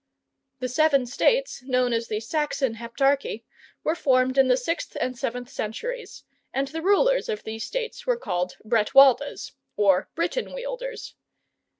"] The seven states known as the Saxon Heptarchy were formed in the sixth and seventh centuries, and the rulers of these states were called "Bretwaldas," or Britain wielders.